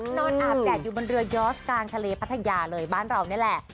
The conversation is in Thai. อาบแดดอยู่บนเรือยอสกลางทะเลพัทยาเลยบ้านเรานี่แหละ